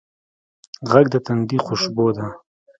غږ د تندي خوشبو ده